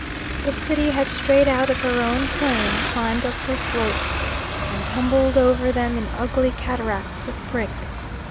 the city had strayed out of her own plain, climbed up her slopes, and tumbled over them in ugly cataracts of brick.